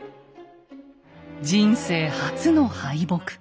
人生初の敗北。